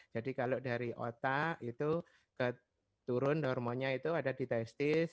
jadi kalau dari otak itu turun hormonnya itu ada di testis